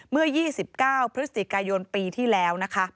เมื่อ๒๙พฤศจิกายนปีที่แล้วนะคะ